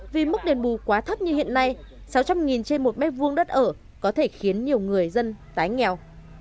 vì mức đền bù quá thấp như hiện nay sáu trăm linh trên một mét vuông đất ở có thể khiến nhiều người dân tái nghèo